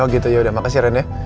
oh gitu yaudah makasih ren ya